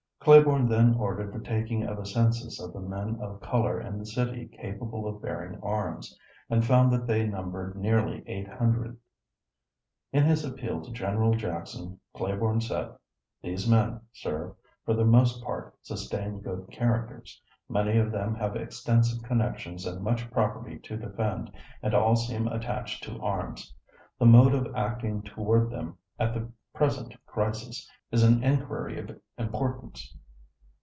" Claiborne then ordered the taking of a census of the men of color in the city capable of bearing arms, and found that they numbered nearly eight hundred. In his appeal to General Jackson, Claiborne said, "These men, Sir, for the most part, sustain good characters. Many of them have extensive connections and much property to defend, and all seem attached to arms. The mode of acting toward them at the present crisis, is an inquiry of importance.